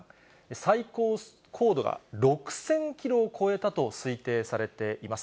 最高高度が６０００キロを超えたと推定されています。